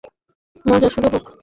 মজা শুরু হোক।